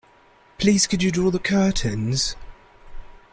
Please could you draw the curtains?